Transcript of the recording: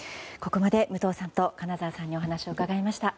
ここまで武藤さんと金沢さんにお話を伺いました。